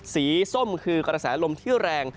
ส้มคือกระแสลมที่แรง